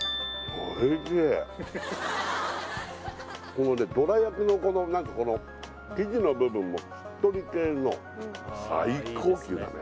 このねどら焼きのこの何かこの生地の部分もしっとり系の最高級だね